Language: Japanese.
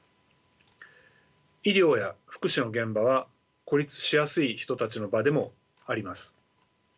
医療や福祉の現場は孤立しやすい人たちの場でもあります。